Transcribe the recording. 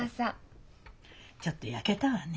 ちょっとやけたわね。